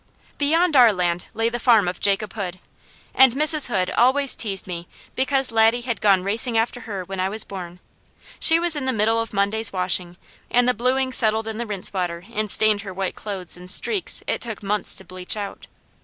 Beyond our land lay the farm of Jacob Hood, and Mrs. Hood always teased me because Laddie had gone racing after her when I was born. She was in the middle of Monday's washing, and the bluing settled in the rinse water and stained her white clothes in streaks it took months to bleach out.